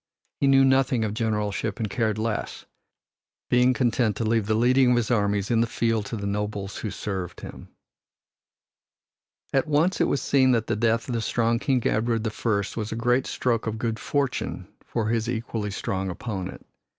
He knew nothing of generalship and cared less, being content to leave the leading of his armies in the field to the nobles who served him. At once it was seen that the death of the strong King Edward the First was a great stroke of good fortune for his equally strong opponent.